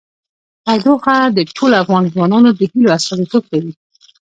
تودوخه د ټولو افغان ځوانانو د هیلو استازیتوب کوي.